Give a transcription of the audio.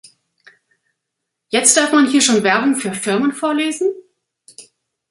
Jetzt darf man hier schon Werbung für Firmen volesen?